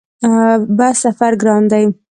بس سفر ګران دی؟